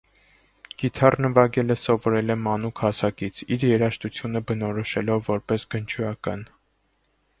Կիթառ նվագել սովորել է մանուկ հասակից՝ իր երաժշտությունը բնորոշելով որպես գնչուական։